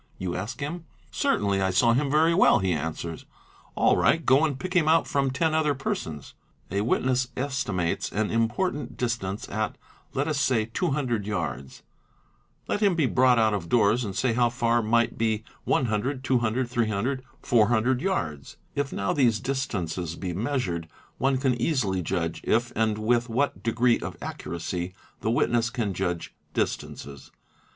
you ask him. Certainly I saw him very well,' he answers. ''All right, go and pick him out from ten other persons."' A witness estimates an important distance at, let us say, 200 yards: Jet him be brought out of doors and say how far might be 100, 200, 800, }' 24 THE INVESTIGATING OFFICER 400 yards; if now these distances be measured, one can easily judge if . and with what degree of accuracy, the witness can judge distances.